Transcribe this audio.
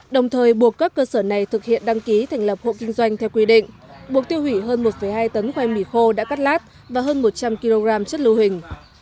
đồng thời buộc các cơ sở này thực hiện đăng ký thành lập hộ kinh doanh theo quy định buộc tiêu hủy hơn một hai tấn khoai mì khô đã cắt lát và hơn một trăm linh kg chất lưu hình